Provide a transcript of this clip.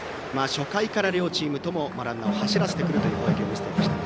初回から両チームともランナーを走らせてくるという攻撃を見せていました。